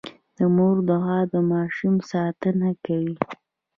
د مور دعا د ماشوم ساتنه کوي.